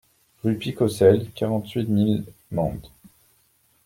Rue Picaucel, quarante-huit mille Mende